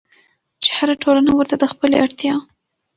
چې هره ټولنه ورته د خپلې اړتيا